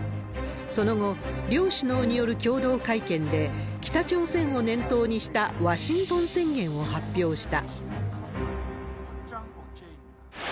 その後、両首脳による共同会見で、北朝鮮を念頭にしたワシントン宣言を発表した。